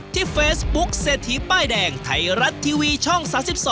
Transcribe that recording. ที่เฟซบุ๊คเศรษฐีป้ายแดงไทยรัฐทีวีช่อง๓๒